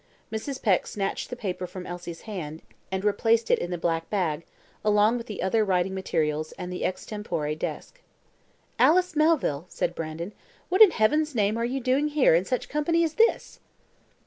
Mrs. Peck snatched the paper from Elsie's hand, and replaced it in the black bag, along with the other writing materials and the extempore desk. "Alice Melville!" said Brandon, "what in Heaven's name are you doing here in such company as this?"